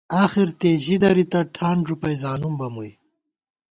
آخر تےژِی دَرِتہ ، ٹھان ݫُپَئ زانُم بہ مُوئی